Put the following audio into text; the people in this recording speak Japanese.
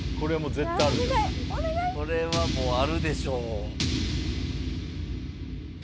これはもうあるでしょう。